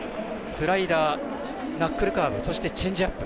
スライダー、ナックルカーブそしてチェンジアップ。